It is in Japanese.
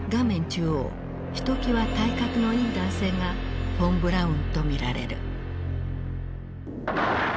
中央ひときわ体格のいい男性がフォン・ブラウンと見られる。